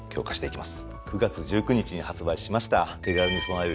９月１９日に発売しました。